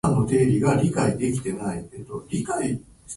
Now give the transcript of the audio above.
未使用のもの